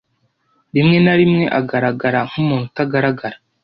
rimwe na rimwe agaragara nk'Umuntu utagaragara